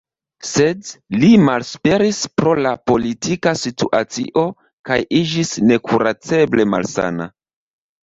Sed li malesperis pro la politika situacio kaj iĝis nekuraceble malsana.